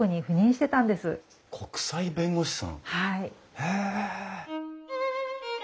へえ！